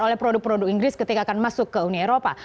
oleh produk produk inggris ketika akan masuk ke uni eropa